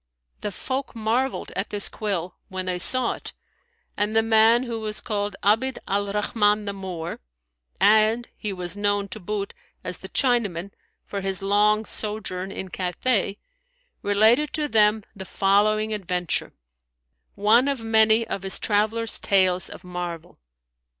The folk marvelled at this quill, when they saw it, and the man who was called Abd al Rahman the Moor (and he was known, to boot, as the Chinaman, for his long sojourn in Cathay), related to them the following adventure, one of many of his traveller's tales of marvel.